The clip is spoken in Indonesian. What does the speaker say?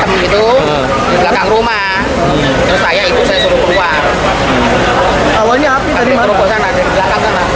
pabrik kerupuk sana ada di belakang sana